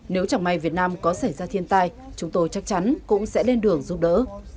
nếu chẳng may việt nam có xảy ra thiên tai chúng tôi chắc chắn cũng sẽ lên đường giúp đỡ